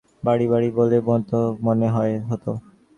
মাঝে মাঝে সেটা আমার একটু বাড়াবাড়ি বলেও মনে হত।